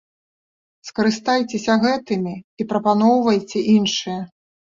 Скарыстайцеся гэтымі і прапаноўвайце іншыя.